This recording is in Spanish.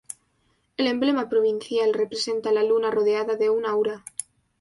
El emblema provincial representa la luna rodeada de un aura.